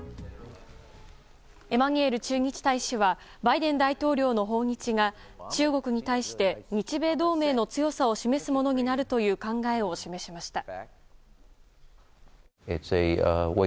エマニュエル駐日大使はバイデン大統領の訪日が中国に対して日米同盟の強さを示すものになるという考えを示しました。